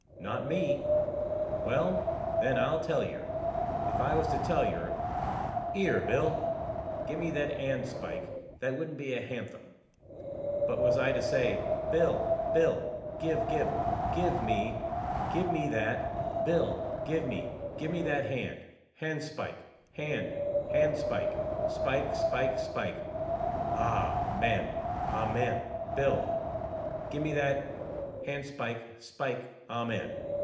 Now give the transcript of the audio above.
"Not me." "Well, then, I'll tell yer. If I was to tell yer, 'Ere, Bill, give me that 'andspike,' that wouldn't be a hanthem;' but was I to say, 'Bill, Bill, giv, giv, give me, give me that, Bill, give me, give me that hand, handspike, hand, handspike, spike, spike, spike, ah men, ahmen. Bill, givemethat handspike, spike, ahmen!'